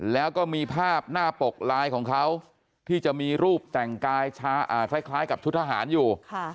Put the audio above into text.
แล้วก็มีภาพหน้าปกลายของเขาที่จะมีรูปแต่งกายคล้ายกับชุดทหารอยู่